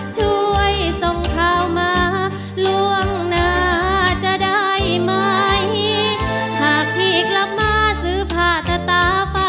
ช่วยส่งข่าวมาล่วงหน้าจะได้ไหมหากพี่กลับมาซื้อผ้าตาฟ้า